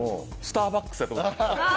スターバックスやと。